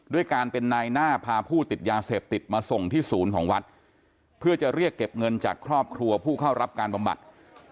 ด้วยการเป็นนายหน้าพาผู้ติดยาเสพติดมาส่งที่ศูนย์ของวัดเพื่อจะเรียกเก็บเงินจากครอบครัวผู้เข้ารับการบำบัด